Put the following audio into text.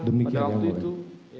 demikian yang mulia